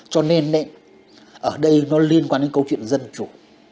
cho nên ở đây nó liên quan đến câu chuyện dân chủ